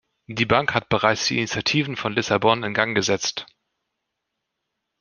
Die Bank hat bereits die Initiativen von Lissabon in Gang gesetzt.